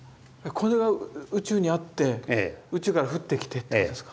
これが宇宙にあって宇宙から降ってきてってことですか。